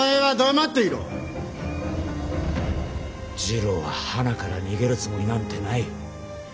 次郎ははなから逃げるつもりなんてない。